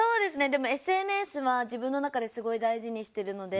でもＳＮＳは自分の中で大事にしてるので。